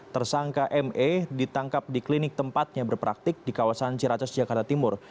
tersangka me ditangkap di klinik tempatnya berpraktik di kawasan ciracas jakarta timur